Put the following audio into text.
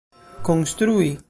konstrui